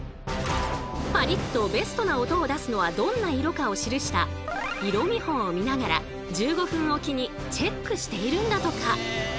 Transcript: パリッとベストな音を出すのはどんな色かを記した色見本を見ながら１５分おきにチェックしているんだとか。